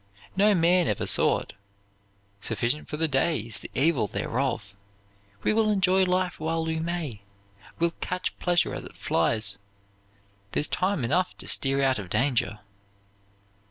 No man ever saw it. Sufficient for the day is the evil thereof. We will enjoy life while we may, will catch pleasure as it flies. There's time enough to steer out of danger.'